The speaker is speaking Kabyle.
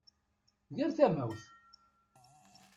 Ger tamawt!